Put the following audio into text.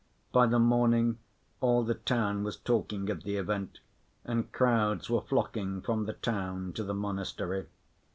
By the morning all the town was talking of the event, and crowds were flocking from the town to the monastery.